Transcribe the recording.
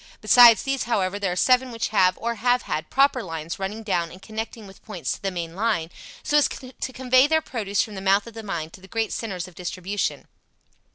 Besides these, however, there are seven which have, or have had, proper lines running down and connecting with points to the main line, so as to convey their produce from the mouth of the mine to the great centres of distribution.